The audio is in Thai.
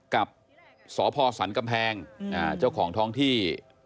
กับสพสันกำแพงเจ้าของท้องที่